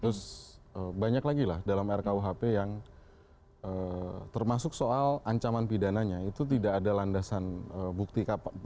terus banyak lagi lah dalam rkuhp yang termasuk soal ancaman pidananya itu tidak ada landasan bukti